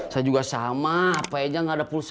saya juga sama hape aja gak ada pulsa